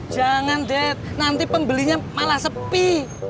jangan deh nanti pembelinya malah sepi